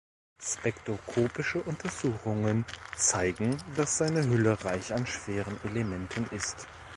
Spektroskopische Untersuchungen zeigen, dass seine Hülle reich an schweren Elementen ist.